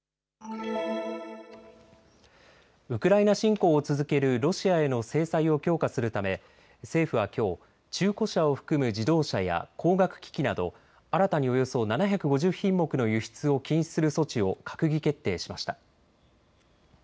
ウクライナ侵攻を続けるロシアへの制裁を強化するため政府はきょう、中古車を含む自動車や光学機器など新たにおよそ７５０品目の輸出を禁止する措置を閣議決定しました。